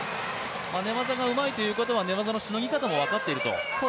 寝技がうまいということは寝技のしのぎ方も分かっていると。